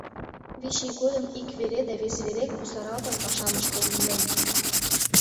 Вич ий годым ик вере да вес вере кусаралтын пашам ыштен илен.